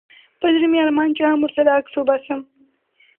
په زړه مي ارمان چي زه هم ورسره عکس وباسم